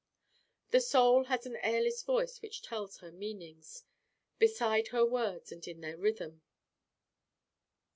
The Soul has an airless voice which tells her meanings, beside her words and in their rhythm.